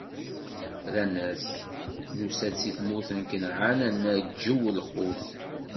Rran-as: Nusa-d si tmurt n Kanɛan, ad naǧew lqut.